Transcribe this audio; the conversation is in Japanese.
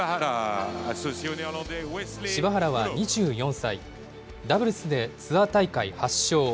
柴原は２４歳、ダブルスでツアー大会８勝。